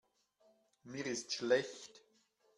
Mir ist schlecht.